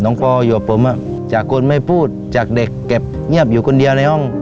ปออยู่กับผมจากคนไม่พูดจากเด็กเก็บเงียบอยู่คนเดียวในห้อง